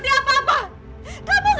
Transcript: kamu tidak mengerti apa apa